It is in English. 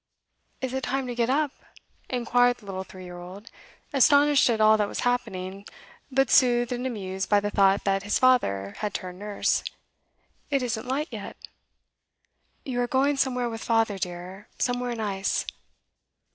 'Is it time to get up?' inquired the little three year old, astonished at all that was happening, but soothed and amused by the thought that his father had turned nurse. 'It isn't light yet.' 'You are going somewhere with father, dear. Somewhere nice.